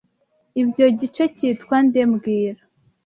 Ibyo gice cyitwa nde mbwira